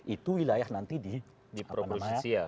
itu wilayah nanti di apa namanya